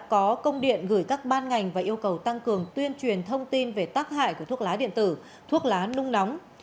có công điện gửi các ban ngành và yêu cầu tăng cường tuyên truyền thông tin về tác hại của thuốc lá điện tử thuốc lá nung nóng